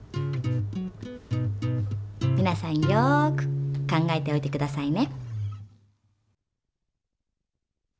みなさんよく考えておいてくださいね。